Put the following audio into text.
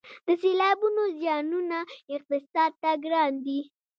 د سیلابونو زیانونه اقتصاد ته ګران دي